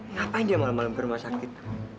ngapain dia malem malem ke rumah sakit